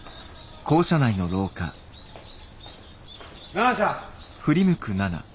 奈々ちゃん。